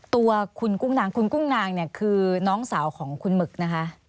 ตัวคุณกุ้งนางคุณกุ้งนางเนี่ยคือน้องสาวของคุณหมึกนะคะ